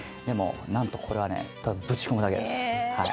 でもなんとこれはねぶち込むだけです。